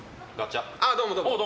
どうも、どうも。